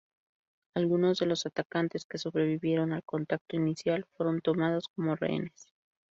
Algunos de los atacantes que sobrevivieron al contacto inicial, fueron tomados como rehenes.